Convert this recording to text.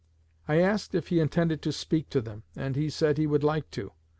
I asked if he intended to speak to them, and he said he would like to.